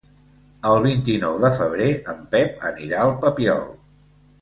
El vint-i-nou de febrer en Pep anirà al Papiol.